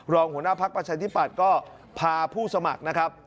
หัวหน้าพักประชาธิปัตย์ก็พาผู้สมัครนะครับ